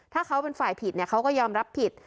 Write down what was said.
ถ้าเขาเป็นฝ่ายผิดเขาก็ยอมรับผิด